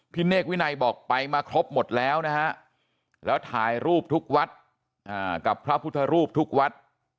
เนกวินัยบอกไปมาครบหมดแล้วนะฮะแล้วถ่ายรูปทุกวัดกับพระพุทธรูปทุกวัด